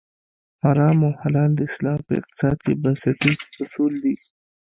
حرام او حلال د اسلام په اقتصاد کې بنسټیز اصول دي.